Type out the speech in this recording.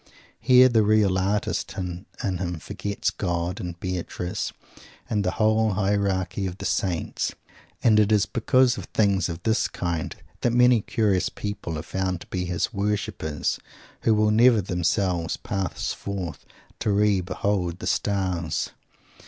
Here the real artist in him forgets God and Beatrice and the whole hierarchy of the saints. And it is because of things of this kind that many curious people are found to be his worshipers who will never themselves pass forth "to re behold the stars."